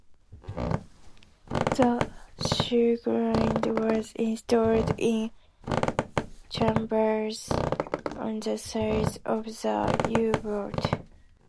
The Sieglinde was installed in chambers on the sides of the U-boat.